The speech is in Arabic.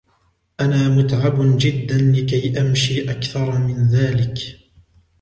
انا متعب جدا لكي امشي اكثر من ذلك.